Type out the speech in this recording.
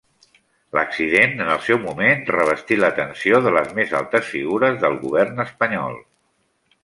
L'accident en el seu moment revestí l'atenció de les més altes figures del govern espanyol.